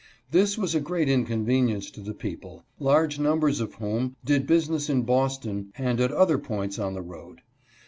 This was a great incon venience to the people, large numbers of whom did busi ness in Boston and at other points on the road.